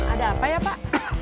ada apa ya pak